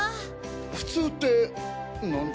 普通ってなんだ？